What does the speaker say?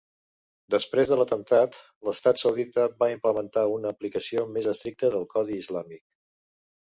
Després de l'atemptat, l'estat saudita va implementar una aplicació més estricta del codi islàmic.